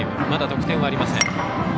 まだ得点はありません。